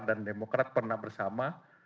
dan demokrat pernah bersama